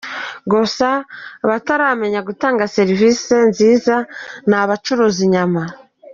Gusa, abataramenya gutanga serivisi nziza ni abacuruza inyama.